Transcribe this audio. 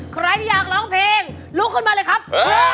ใครที่อยากร้องเพลงลุกขึ้นมาเลยครับ